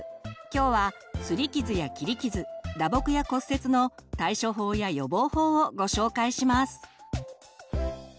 今日は「すり傷」や「切り傷」「打撲」や「骨折」の対処法や予防法をご紹介します！